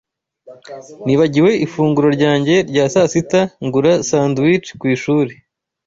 Nibagiwe ifunguro ryanjye rya sasita ngura sandwich ku ishuri.